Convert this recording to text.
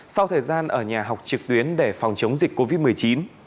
sau thời gian ở nhà học trực tuyến để phòng chống dịch covid một mươi chín